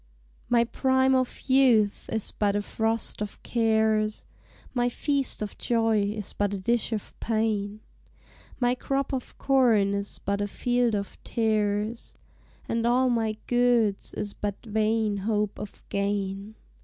] My prime of youth is but a frost of cares, My feast of joy is but a dish of pain, My crop of corn is but a field of tares, And all my goodes is but vain hope of gain.